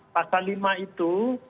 pasal lima itu